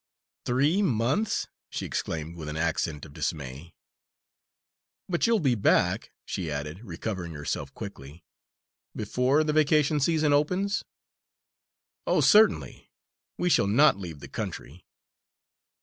"Three months!" she exclaimed with an accent of dismay. "But you'll be back," she added, recovering herself quickly, "before the vacation season opens?" "Oh, certainly; we shall not leave the country."